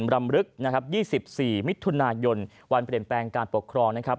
รำลึกนะครับ๒๔มิถุนายนวันเปลี่ยนแปลงการปกครองนะครับ